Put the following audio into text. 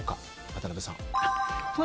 渡部さん。